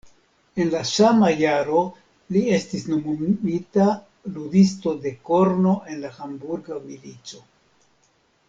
En la sama jaro li estis nomumita ludisto de korno en la Hamburga milico.